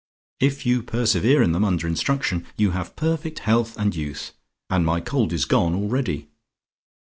If you persevere in them under instruction, you have perfect health and youth, and my cold is gone already.